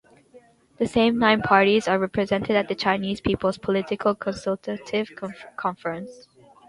The same nine parties are represented at the Chinese People's Political Consultative Conference.